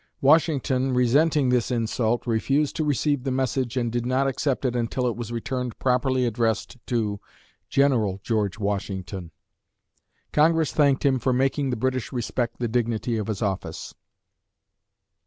Washington, resenting this insult, refused to receive the message and did not accept it until it was returned properly addressed to "General George Washington." Congress thanked him for making the British respect the dignity of his office.